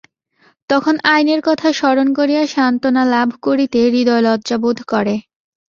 তখন আইনের কথা স্মরণ করিয়া সান্ত্বনা লাভ করিতে হৃদয় লজ্জা বোধ করে।